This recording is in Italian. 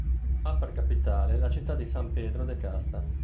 Ha per capitale la città di San Pedro de Casta.